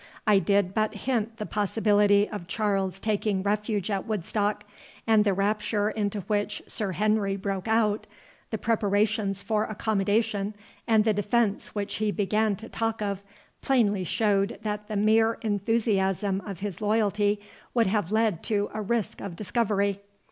I did but hint the possibility of Charles taking refuge at Woodstock, and the rapture into which Sir Henry broke out, the preparations for accommodation and the defence which he began to talk of, plainly showed that the mere enthusiasm of his loyalty would have led to a risk of discovery.